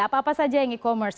apa apa saja yang e commerce